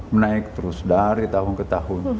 menaik terus dari tahun ke tahun